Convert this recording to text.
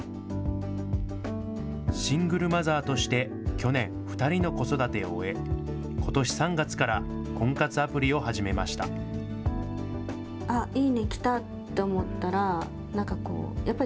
シングルマザーとして去年２人の子育てを終え、ことし３月から婚活アプリを始めました。